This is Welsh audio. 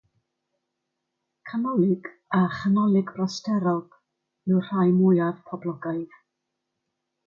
Canolig a chanolig-brasterog yw'r rhai mwyaf poblogaidd.